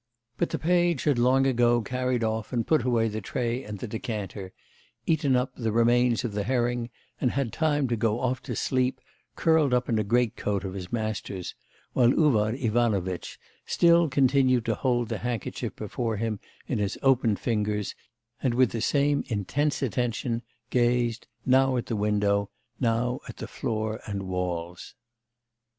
But the page had long ago carried off and put away the tray and the decanter, eaten up the remains of the herring and had time to go off to sleep, curled up in a great coat of his master's, while Uvar Ivanovitch still continued to hold the handkerchief before him in his opened fingers, and with the same intense attention gazed now at the window, now at the floor and walls.